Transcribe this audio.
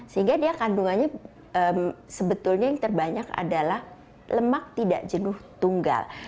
jadi dia kandungannya sebetulnya yang terbanyak adalah lemak tidak jenduh tunggal